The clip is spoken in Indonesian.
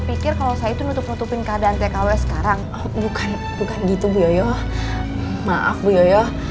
pikir kalau saya itu nutup nutupin keadaan tkw sekarang bukan bukan gitu bu yoyo maaf bu yoyo